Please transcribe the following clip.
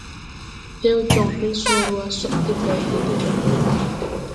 Few joŋ fen soorè wa sod de gayri deban.